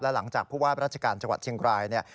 หลังจากผู้ว่าราชการจังหวัดเชียงรายเนี่ย